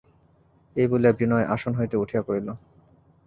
এই বলিয়া বিনয় আসন হইতে উঠিয়া পড়িল।